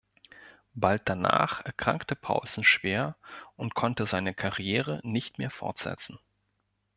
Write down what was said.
Bald danach erkrankte Paulsen schwer und konnte seine Karriere nicht mehr fortsetzen.